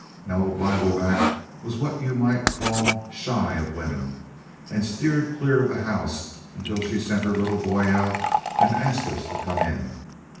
Now, old Bibleback was what you might call shy of women, and steered clear of the house until she sent her little boy out and asked us to come in.